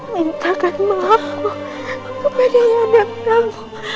mintakan maafku kepada yadam